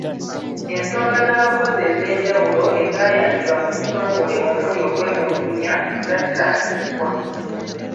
Ensonga z’abakozi ez’enjawulo ezaayanjulwa mu butongole omuli okwemulugunya, zattaanyizibwa.